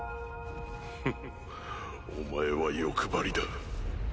フッお前は欲張りだ。